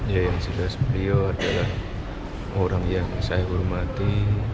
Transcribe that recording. ya yang sudah sebelio adalah orang yang saya hormati